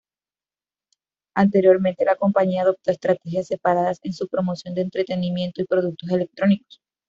Anteriormente, la compañía adoptó estrategias separadas en su promoción de entretenimiento y productos electrónicos.